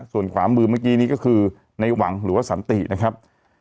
ส่วนขวามือเมื่อกี้นี้ก็คือในหวังหรือว่าสันตินะครับ